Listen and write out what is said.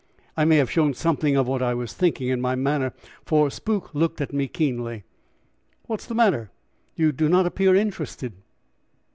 I may have shown something of what I was thinking in my manner, for Spook looked at me keenly. "What is the matter? You do not appear interested."